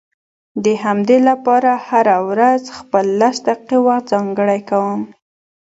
د همدې لپاره هره ورځ خپل لس دقيقې وخت ځانګړی کوم.